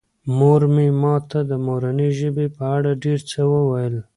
مور مې ماته د مورنۍ ژبې په اړه ډېر څه وویل.